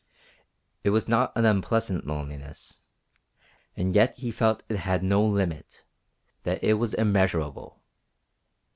It was not an unpleasant loneliness, and yet he felt that it had no limit, that it was immeasurable.